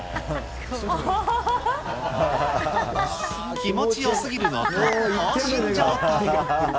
気持ちよすぎるのか、放心状態。